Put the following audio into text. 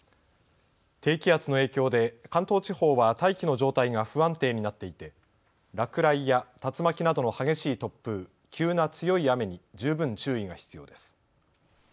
低気圧の影響で関東地方は大気の状態が不安定になっていて落雷や竜巻などの激しい突風、急な強い雨に十分注意が必要です。